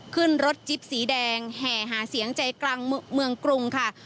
ขึ้นรถจิ๊บสีแดงแห่หาเสียงใจกลางเมืองกรุงค่ะ